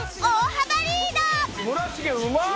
村重うまっ！